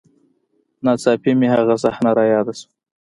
نا څاپه مې هغه صحنه راياده سوه.